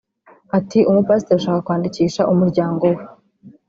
Ati “Umu-Pasiteri ashaka kwandikisha umuryango we